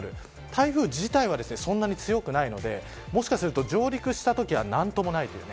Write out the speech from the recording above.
台風自体はそんなに強くないのでもしかすると上陸したときは何ともないという。